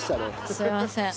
すいません。